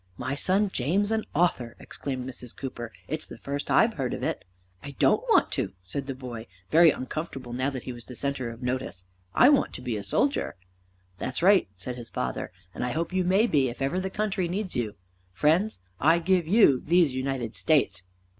"My son James an author!" exclaimed Mrs. Cooper. "It's the first I've heard of it!" "I don't want to," said the boy, very uncomfortable now that he was the centre of notice. "I want to be a soldier." "That's right," said his father, "and I hope you may be if ever the country needs you. Friends, I give you these United States!"